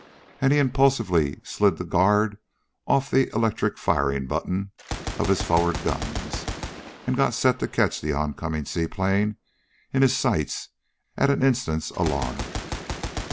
And he impulsively slid the guard off the electric firing button of his forward guns, and got set to catch the oncoming seaplane in his sights at an instant's alarm.